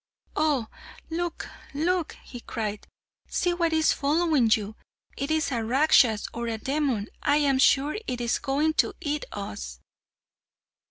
"Oh, look, look!" he cried, "see what is following you; it is a Rakshas or a demon, and I am sure it is going to eat us."